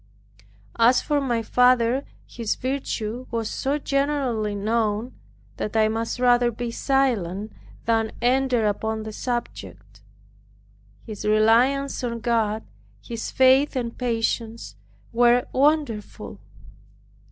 As for my father, his virtue was so generally known, that I must rather be silent, than enter upon the subject. His reliance on God, his faith and patience were wonderful.